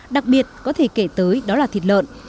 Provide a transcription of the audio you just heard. đặc biệt có thể kể tới đó là thịt lợn